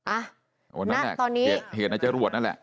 อ่ะนั่นแหละเหตุในจรวดนั่นแหละ